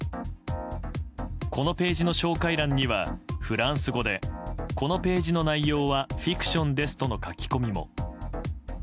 このページの紹介欄にはフランス語でこのページの内容はフィクションですとの書き込みも。